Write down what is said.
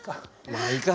まあいいか。